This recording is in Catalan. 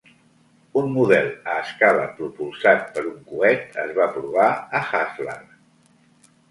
Un model a escala propulsat per un coet es va provar a Haslar.